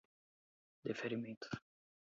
deferimento